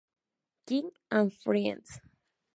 King and Friends.